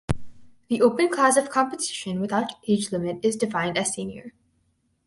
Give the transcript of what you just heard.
The open class of competition without age limit is defined as "senior".